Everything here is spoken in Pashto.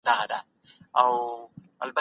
سياسي پروګرامونه نسي کېدای بې پلان جوړ سي.